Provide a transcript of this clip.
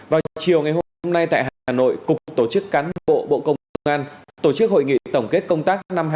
vào chiều ngày hôm nay tại hà nội cục tổ chức cán bộ bộ công an tổ chức hội nghị tổng kết công tác năm hai nghìn hai mươi